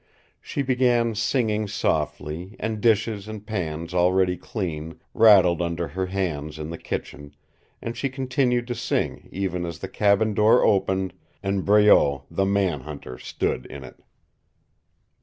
She began singing softly, and dishes and pans already clean rattled under her hands in the kitchen, and she continued to sing even as the cabin door opened and Breault the man hunter stood in it.